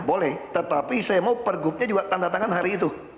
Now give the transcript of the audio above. boleh tetapi saya mau pergubnya juga tanda tangan hari itu